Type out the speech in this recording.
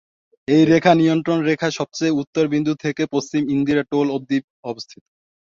এই রেখা নিয়ন্ত্রণ রেখার সবচেয়ে উত্তর বিন্দু থেকে পশ্চিম ইন্দিরা টোল অব্দি অবস্থিত।